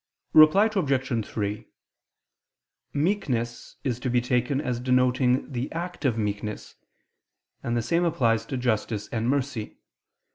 Reply Obj. 3: Meekness is to be taken as denoting the act of meekness: and the same applies to justice and mercy.